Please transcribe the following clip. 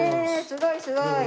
すごいすごい！